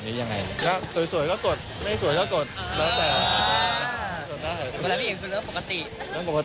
สวยก็กดงั้นไม่สวยก็กด